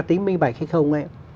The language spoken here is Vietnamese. tính minh bạch hay không ấy